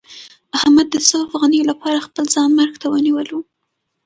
احمد د څو افغانیو لپاره خپل ځان مرګ ته ونیولو.